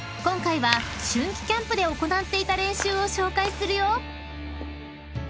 ［今回は春季キャンプで行っていた練習を紹介するよ］